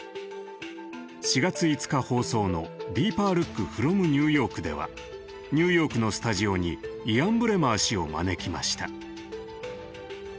４月５日放送の「ＤＥＥＰＥＲＬＯＯＫｆｒｏｍＮｅｗＹｏｒｋ」ではニューヨークのスタジオにイアン・ブレマー氏を招きました。